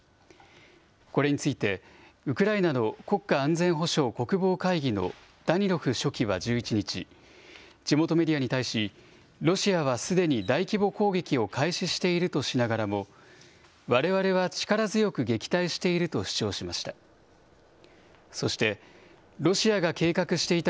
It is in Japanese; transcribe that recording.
これについて、ウクライナの国家安全保障・国防会議のダニロフ書記は１１日、地元メディアに対し、ロシアはすでに大規模攻撃を開始しているとしながらも、われわれは力強く撃退していると主張しました。